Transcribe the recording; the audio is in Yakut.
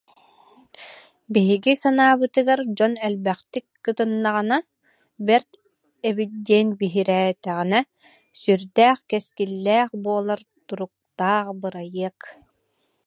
Биһиги санаабытыгар дьон элбэхтик кытыннаҕына, бэрт эбит диэн биһирээтэҕинэ, сүрдээх, кэскиллээх буолар туруктаах бырайыак